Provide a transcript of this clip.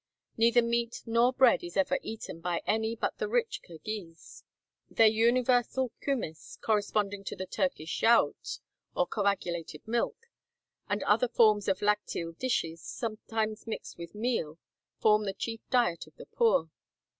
Neither meat nor bread is ever eaten by any but the rich Kirghiz. Their universal kumiss, corresponding to the Turkish yaourt, or coagulated milk, and other forms of lacteal dishes, sometimes mixed with meal, form the chief diet of the poor.